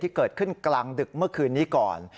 เกิดขึ้นกลางดึกเมื่อคืนนี้ก่อน